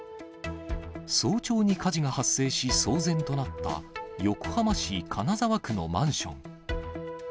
早朝に火事が発生し、騒然となった横浜市金沢区のマンション。